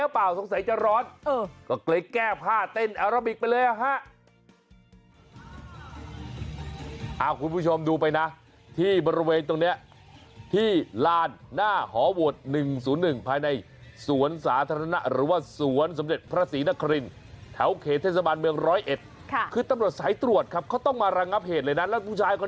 ผมก็ชอบแล้วคึกคักดีแต่งตัวอย่างนี้